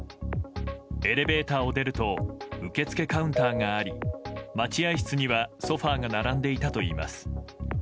エレベーターを出ると受付カウンターがあり待合室にはソファが並んでいたといいます。